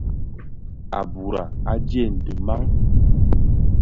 A bùrà, a dyèn dì mang.